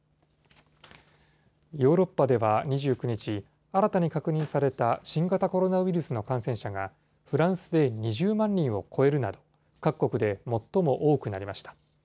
ヨーロッパでは２９日、新たに確認された新型コロナウイルスの感染者が、フランスで２０万人を超えるなど、各国で最も多くなりました。